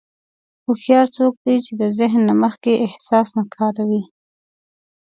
هوښیار څوک دی چې د ذهن نه مخکې احساس نه کاروي.